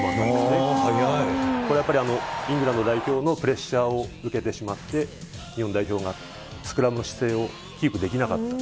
それはやっぱりイングランド代表のプレッシャーを受けてしまって、日本代表がスクラムの姿勢をキープできなかった。